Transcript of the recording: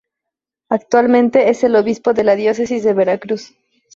Actualmente es el Obispo de la Diócesis de Veracruz.